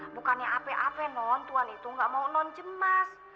bukannya ape ape non tuan itu nggak mau non cemas